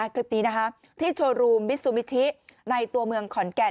คลิปนี้นะคะที่โชว์รูมมิซูมิชิในตัวเมืองขอนแก่น